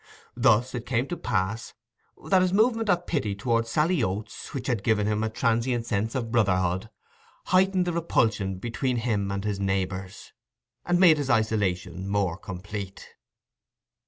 Thus it came to pass that his movement of pity towards Sally Oates, which had given him a transient sense of brotherhood, heightened the repulsion between him and his neighbours, and made his isolation more complete.